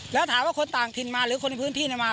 แล้วถามว่าคนต่างถิ่นมาหรือคนในพื้นที่มา